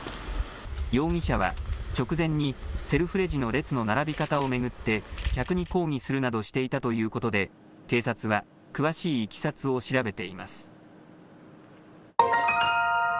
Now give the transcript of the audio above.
容疑者は直前にセルフレジの列の並び方を巡って客に抗議するなどしていたということで警察は詳しいいきさつを調べています。